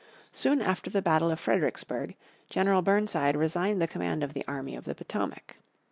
Soon after the battle of Fredericksburg General Burnside resigned the command of the army of the Potomac.